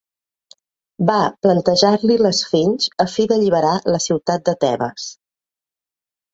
Va plantejar-li'l l'esfinx a fi d'alliberar la ciutat de Tebes.